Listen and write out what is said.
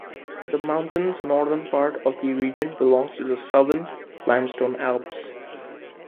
The mountainous northern part of the region belongs to the Southern Limestone Alps.